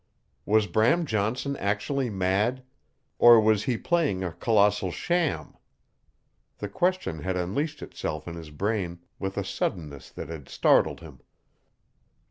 Was Bram Johnson actually mad or was he playing a colossal sham? The question had unleashed itself in his brain with a suddenness that had startled him.